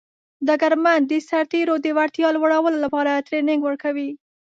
ډګرمن د سرتیرو د وړتیا لوړولو لپاره ټرینینګ ورکوي.